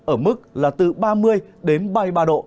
ở mức là từ ba mươi đến ba mươi ba độ